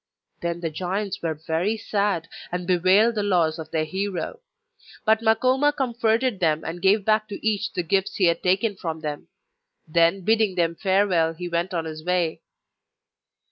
Then the giants were very sad, and bewailed the loss of their hero; but Makoma comforted them, and gave back to each the gifts he had taken from them. Then bidding them 'Farewell,' he went on his way.